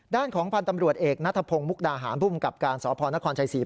ด้านของพันธ์ตำรวจเอกนัทพงศ์มุกดาหารภูมิกับการสพนครชัยศรี